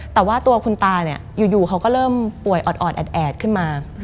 แต่ว่าตัวคุณตาเนี่ยอยู่เขาก็เริ่มป่วยออดแอดขึ้นมา